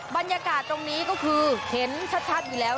บรรยากาศตรงนี้ก็คือเห็นชัดอยู่แล้ว